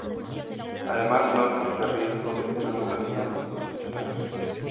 Además no existe riesgo de estrangulación intestinal.